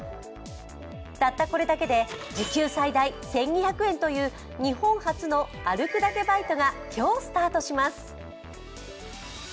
たったこれだけで時給最大１２００円という日本初の歩くだけバイトが今日スタートします。